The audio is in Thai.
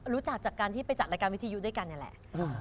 รู้จักจากการที่ไปจัดรายการวิทยุด้วยกันนี่แหละ